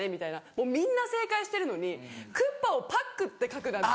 もうみんな正解してるのにクッパをパックって書くなんて。